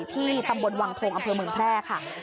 ที่ตำบลวังทงอำเภอเมืองแพร่ค่ะ